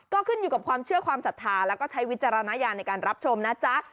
ก็ขึ้นอยู่กับความเชื่อความศรัทธาแล้วก็ใช้วิจารณญาณในการรับชมนะจ๊ะ